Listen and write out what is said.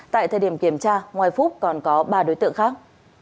tại thời điểm kiểm tra ngoài phúc còn có ba đối tượng khác